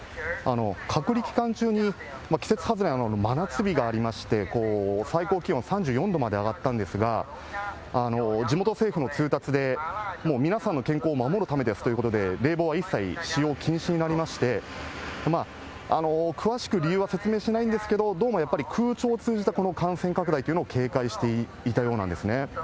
隔離期間中に、季節外れのような真夏日がありまして、最高気温３４度まで上がったんですが、地元政府の通達で、もう皆さんの健康を守るためですということで、冷房は一切使用禁止になりまして、詳しく理由は説明してないんですけれども、どうもやっぱり空調を通じた感染拡大というのを警戒していたようなんですね。